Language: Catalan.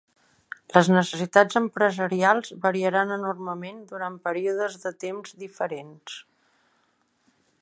Les necessitats empresarials variaran enormement durant períodes de temps diferents.